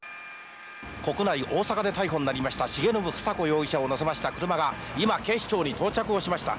国内、大阪で逮捕になりました重信房子容疑者を乗せました車が今、警視庁に到着をしました。